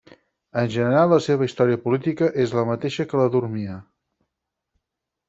En general la seva història política és la mateixa que la d'Urmia.